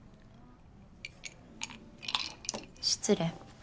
失礼。